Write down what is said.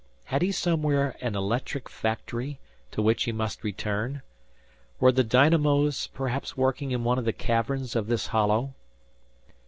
Had he somewhere an electric factory, to which he must return? Were the dynamos, perhaps working in one of the caverns of this hollow?